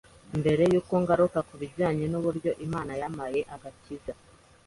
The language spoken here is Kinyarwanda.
Mbere y’uko ngaruka kubijyanye n’uburyo Imana yampaye agakiza